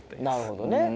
なるほどね。